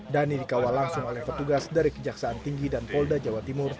dhani dikawal langsung oleh petugas dari kejaksaan tinggi dan polda jawa timur